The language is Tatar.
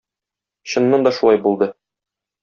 Чыннан да шулай булды.